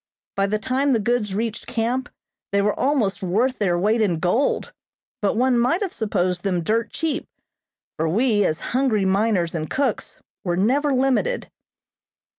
By the time the goods reached camp they were almost worth their weight in gold, but one might have supposed them dirt cheap, for we, as hungry miners and cooks, were never limited.